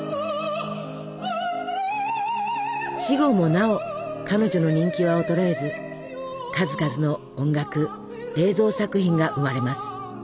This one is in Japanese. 死後もなお彼女の人気は衰えず数々の音楽映像作品が生まれます。